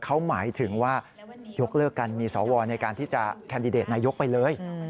เขาหมายถึงว่ายกเลิกกันมีสวในการที่จะแคนดิเดตนายกไปเลย